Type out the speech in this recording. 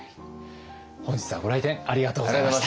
本日はご来店ありがとうございました。